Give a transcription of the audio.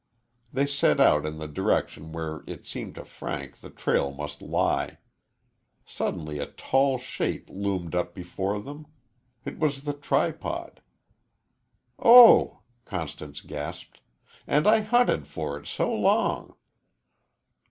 They set out in the direction where it seemed to Frank the trail must lie. Suddenly a tall shape loomed up before them. It was the tripod. "Oh!" Constance gasped, "and I hunted for it so long!"